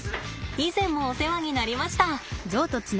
以前もお世話になりました！